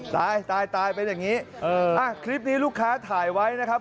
ตายตายเป็นอย่างนี้คลิปนี้ลูกค้าถ่ายไว้นะครับ